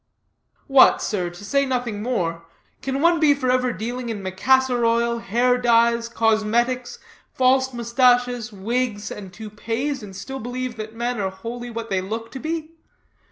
"What, sir, to say nothing more, can one be forever dealing in macassar oil, hair dyes, cosmetics, false moustaches, wigs, and toupees, and still believe that men are wholly what they look to be?